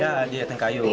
tidak dia hanya di tengkayu